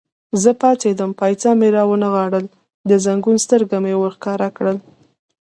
زه پاڅېدم، پایڅه مې را ونغاړل، د زنګون سترګه مې ور ښکاره کړل.